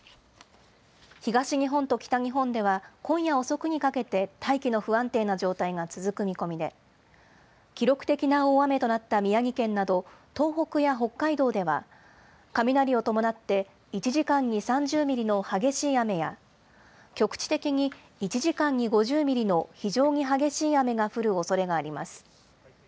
東日本と北日本では今夜遅くにかけて、大気の不安定な状態が続く見込みで、記録的な大雨となった宮城県など東北や北海道では、雷を伴って１時間に３０ミリの激しい雨や、局地的に１時間に５０ミリの非常に激しい雨が降るおそれがあります。